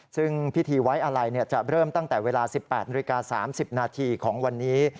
ซึ่งพิธีไว้อะไรจะเริ่มตั้งแต่เวลา๑๘นาฬิกา๓๐นาทีของวันนี้